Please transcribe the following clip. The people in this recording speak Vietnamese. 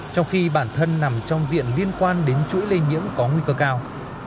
trong khi bản thân nằm trong diện liên quan đến chuỗi lây nhiễm có nguy cơ cao